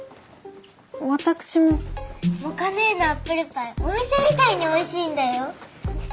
私も？もか姉のアップルパイお店みたいにおいしいんだよ。